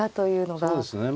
そうですね。